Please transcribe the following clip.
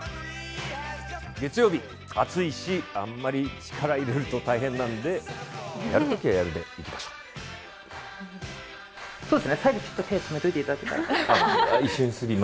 月曜日、暑いしあまり力入れると大変なので、やるときはやるでいきましょう。